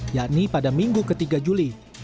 yakni pada minggu ke tiga juli